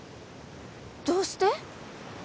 どうして？